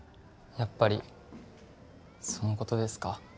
やっぱりそのことですか